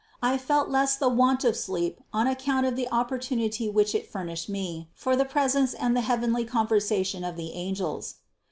I felt less the want of sleep on account of the oppor tunity which it furnished me for the presence and the heavenly conversation of the angels.